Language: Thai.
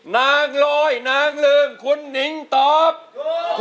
นางลอยนางลืมคุณนิ้งตอบถูกนะครับ